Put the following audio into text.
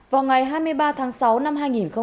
vào ngày hai mươi ba tháng sáu năm hai nghìn hai mươi